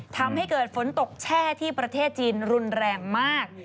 ทำให้เกิดฝนตกแช่ที่ประเทศจีนรุนแรงมาก